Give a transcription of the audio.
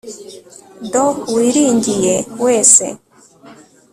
do wiringiye wese